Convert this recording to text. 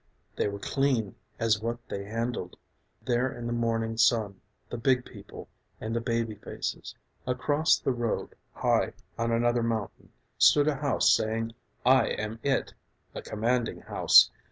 They were clean as what they handled There in the morning sun, the big people and the baby faces. Across the road, high on another mountain, Stood a house saying, "I am it," a commanding house.